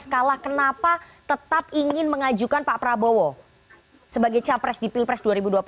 kalah kenapa tetap ingin mengajukan pak prabowo sebagai capres di pilpres dua ribu dua puluh empat